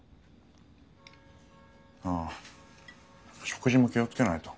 ああ食事も気をつけないと。